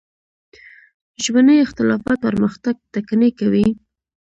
ژبني اختلافات پرمختګ ټکنی کوي.